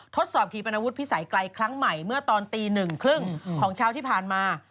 ทดสอบขี่ปนาวุธพิสัยไกลครั้งใหม่เมื่อตอนตี๑๓๐ของชาวที่ผ่านมา